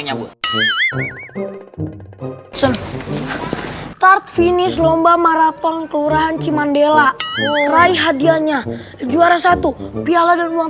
nyambut start finish lomba maraton kelurahan cimandela rai hadiahnya juara satu piala dan uang